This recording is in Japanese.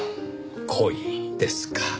恋ですか。